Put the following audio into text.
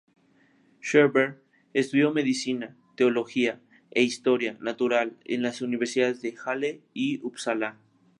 Schreber estudió Medicina, Teología e Historia natural en las Universidades de Halle y Upsala.